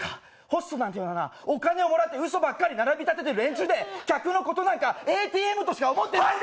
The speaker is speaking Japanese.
ホストなんていうものはな、お金もらってうそばっかり並び立ててる連中で客のことなんかＡＴＭとしか思ってない。